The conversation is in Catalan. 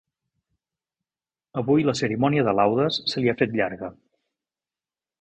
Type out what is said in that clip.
Avui la cerimònia de laudes se li ha fet llarga.